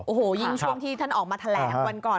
โอ้โหยิ่งช่วงที่ท่านออกมาแถลงวันก่อน